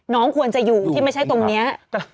น้องควรจะอยู่ที่ไม่ใช่ตรงนี้